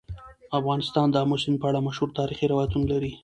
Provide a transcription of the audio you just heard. افغانستان د آمو سیند په اړه مشهور تاریخي روایتونه لري.